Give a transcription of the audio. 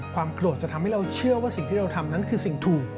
ความโกรธจะทำให้เราเชื่อว่าสิ่งที่เราทำนั้นคือสิ่งถูก